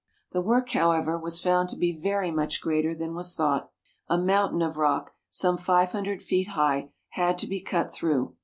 The work, however, was found to be very much greater than was thought. A mountain of rock, some five hundred feet high, had to be cut through.